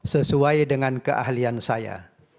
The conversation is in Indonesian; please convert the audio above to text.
sesuai dengan keahlian saya